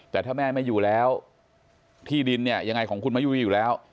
แต่ถ้าแม่ไม่อยู่แล้วที่ดินเนี่ยยังไงของคุณมะยุรีอยู่แล้ว